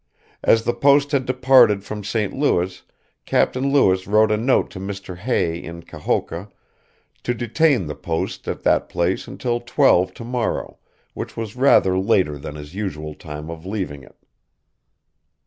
As the post had departed from St. Louis Capt. Lewis wrote a note to Mr. Hay in Kahoka to detain the post at that place until 12 tomorrow which was rather later than his usual time of leaveing it.